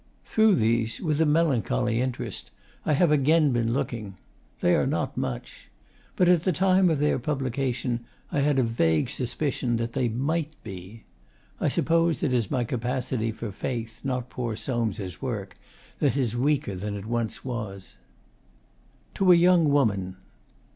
Through these, with a melancholy interest, I have again been looking. They are not much. But at the time of their publication I had a vague suspicion that they MIGHT be. I suppose it is my capacity for faith, not poor Soames' work, that is weaker than it once was.... TO A YOUNG WOMAN.